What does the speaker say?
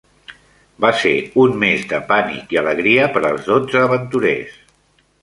Va ser un mes de pànic i alegria per als dotze aventurers.